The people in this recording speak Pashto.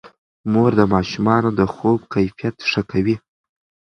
مور د ماشومانو د خوب کیفیت ښه کوي.